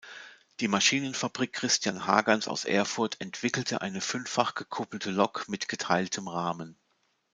Die Maschinenfabrik Christian Hagans aus Erfurt entwickelte eine fünffach gekuppelte Lok mit geteiltem Rahmen.